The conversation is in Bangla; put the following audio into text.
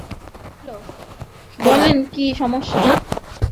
শ্রীশ কহিল, বলেন কী মশায়!